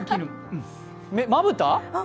まぶた？